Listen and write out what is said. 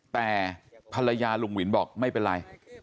แต่ภรรยาลุงวินบอกไม่เป็นไร